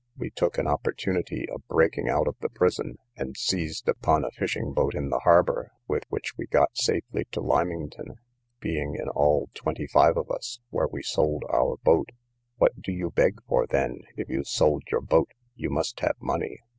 We took an opportunity of breaking out of the prison, and seized upon a fishing boat in the harbour, with which we got safe to Lymington, being in all twenty five of us, where we sold our boat. What do you beg for then? if you sold your boat, you must have money.